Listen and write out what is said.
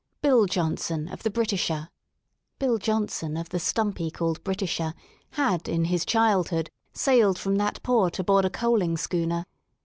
Bill Johnston of the * Britisher/'' Bill Johnston of the "stumpy" called Britisher*' had in his childhood sailed from that port aboard a coaling' schooner.